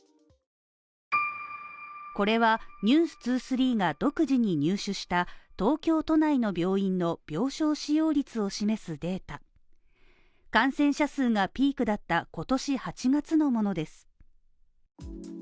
これは、「ｎｅｗｓ２３」が独自に入手した東京都内の病院の病床使用率を示すデータ感染者数がピークだった今年８月のものです。